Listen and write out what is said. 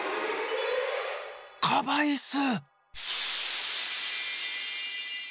カバイス！